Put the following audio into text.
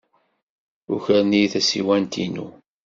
Ukren-iyi tasiwant-inu.